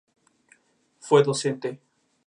Fue docente.